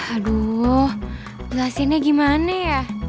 aduh belasannya gimana ya